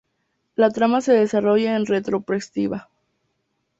La trama se desarrolla en retrospectiva.